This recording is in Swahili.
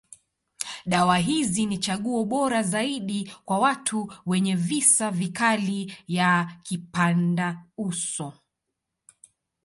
Dawa hizi ni chaguo bora zaidi kwa watu wenye visa vikali ya kipandauso.